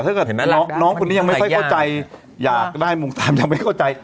แต่ถ้าน้องคนนี้ยังไม่ค่อยเข้าใจอยากได้มุมตามยังไม่เข้าใจ